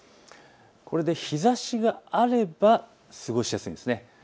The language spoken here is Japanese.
これで日ざしがあれば過ごしやすいんです。